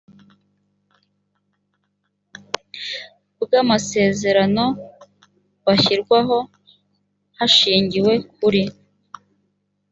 bw amasezerano bashyirwaho hashingiwe kuri